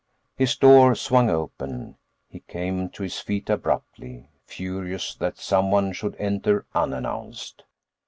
His door swung open; he came to his feet abruptly, furious that someone should enter unannounced.